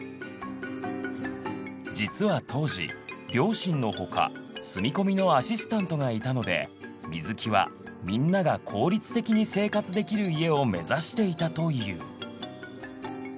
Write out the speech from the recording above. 実は当時両親の他住み込みのアシスタントがいたので水木はみんなが効率的に生活できる家を目指していたという。